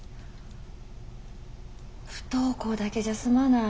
不登校だけじゃ済まない。